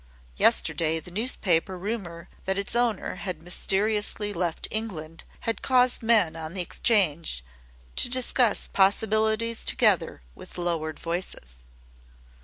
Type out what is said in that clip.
Yesterday the newspaper rumor that its owner had mysteriously left England had caused men on 'Change to discuss possibilities together with lowered voices.